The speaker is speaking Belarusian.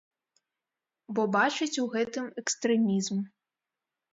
Бо бачыць у гэтым экстрэмізм.